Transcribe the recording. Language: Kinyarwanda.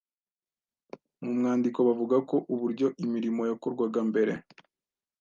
Mu mwandiko bavuga ko uburyo imirimo yakorwaga mbere